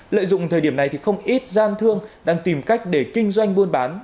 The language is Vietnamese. lợi dụng thời điểm này thì không ít gian thương đang tìm cách để kinh doanh buôn bán